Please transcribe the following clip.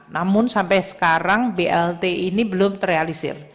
namun sampai sekarang blt ini belum terrealisir